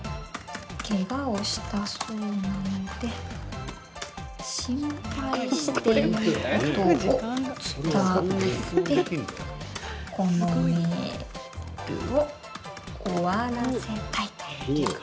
「けがをしたそうなので心配していることを伝えてこのメールを終わらせたいと。」